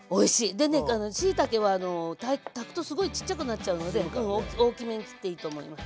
でねしいたけは炊くとすごいちっちゃくなっちゃうので大きめに切っていいと思います。